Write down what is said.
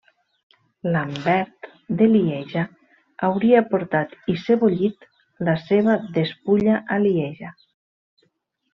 Lambert de Lieja hauria portat i sebollit la seva despulla a Lieja.